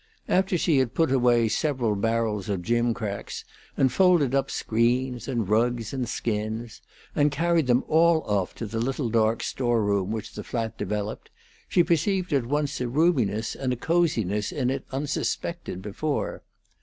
After she had put away several barrels of gimcracks, and folded up screens and rugs and skins, and carried them all off to the little dark store room which the flat developed, she perceived at once a roominess and coziness in it unsuspected before.